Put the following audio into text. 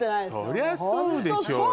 そりゃそうでしょうよ